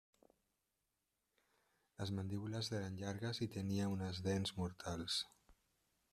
Les mandíbules eren llargues i tenia unes dents mortals.